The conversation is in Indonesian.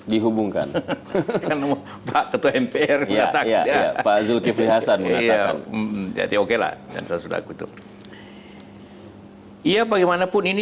dihubungkan ketua mpr ya pak zulkifli hasan jadi oke lah saya sudah gitu iya bagaimanapun ini